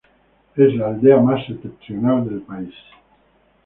Es la aldea más septentrional del país.